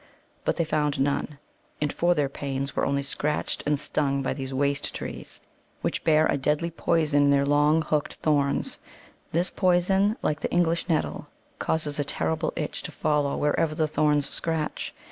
But they found none; and for their pains were only scratched and stung by these waste trees which bear a deadly poison in their long hooked thorns. This poison, like the English nettle, causes a terrible itch to follow wherever the thorns scratch.